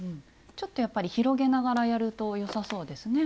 ちょっとやっぱり広げながらやるとよさそうですね。